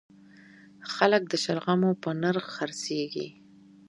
خلک د شلغمو په نرخ خرڅیږي